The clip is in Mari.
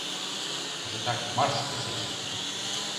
Кызытак марш тышечын!